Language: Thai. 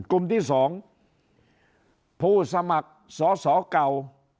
กลุ่มที่๒ผู้สมัครสอสอเก่า